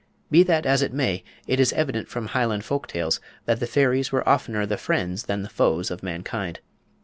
Be that as it may, it is evident from Highland folk tales that the fairies were oftener the friends than the foes of mankind.